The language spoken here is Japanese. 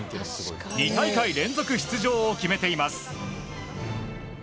２大会連続出場を決めています。